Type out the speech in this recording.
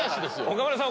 岡村さん